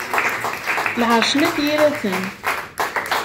Lɛerc n At yiraten.